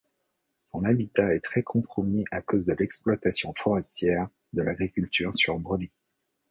Son habitat est très compromis à cause de l'exploitation forestière, de l'agriculture sur brûlis.